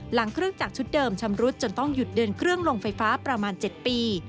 หลังเครื่องจักรชุดเดิมชำรุดจนต้องหยุดเดินเครื่องลงไฟฟ้าประมาณ๗ปี